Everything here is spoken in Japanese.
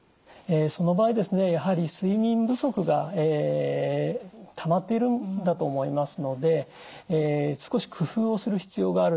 その場合ですねやはり睡眠不足がたまっているんだと思いますので少し工夫をする必要があると思います。